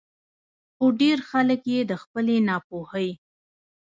خو ډېر خلک ئې د خپلې نا پوهۍ